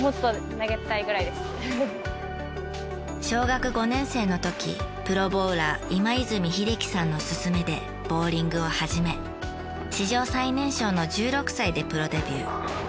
小学５年生の時プロボウラー今泉秀規さんの勧めでボウリングを始め史上最年少の１６歳でプロデビュー。